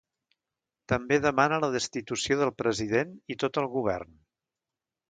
També demana la destitució del president i tot el govern.